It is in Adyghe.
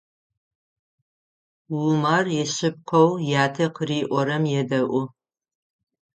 Умар ишъыпкъэу ятэ къыриӏорэм едэӏу.